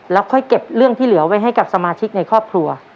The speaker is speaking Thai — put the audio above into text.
แล้วค่อยเก็บเรื่องที่เหลือไว้ให้กับสมาชิกในครอบครัว